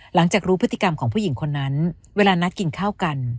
หลังจากรู้พฤติกรรมของผู้หญิงคนนั้นเวลานัดกินข้าวกัน